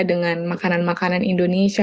dengan makanan makanan indonesia